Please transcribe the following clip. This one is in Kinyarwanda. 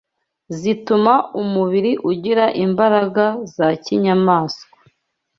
zituma umubiri ugira imbaraga za kinyamaswa